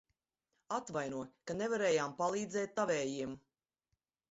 Atvaino, ka nevarējām palīdzēt tavējiem.